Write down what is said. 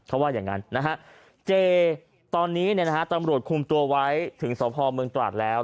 เขาว่าอย่างนั้นนะฮะเจตอนนี้เนี่ยนะฮะตำรวจคุมตัวไว้ถึงสพเมืองตราดแล้ว